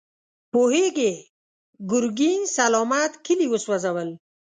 پوهېږې، ګرګين سلامت کلي وسوځول.